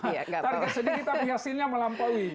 target sendiri tapi hasilnya melampaui